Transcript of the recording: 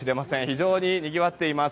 非常ににぎわっています。